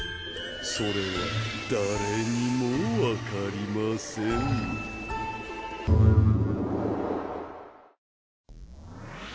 それは誰にもわかりません